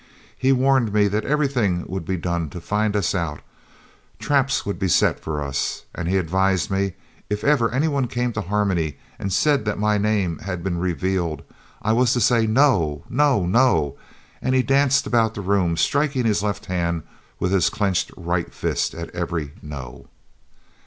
He warned me that everything would be done to find us out, traps would be set for us, and he advised me, if ever any one came to Harmony and said that my name had been revealed, I was to say No! No!! No!!! and he danced about the room, striking his left hand with his clenched right fist at every 'No!'"